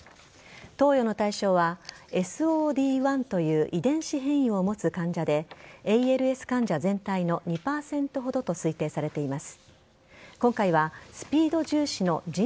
投与の対象はＳＯＤ１という遺伝子変異を持つ患者でＡＬＳ患者全体の２％ほどと推定されています。